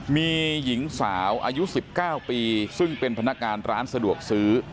มีหญิงสาวอายุ๑๙ปีซึ่งเป็นพนักงานร้านสะดวกซื้อ